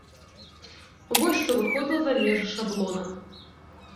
Вось што выходзіла за межы шаблона.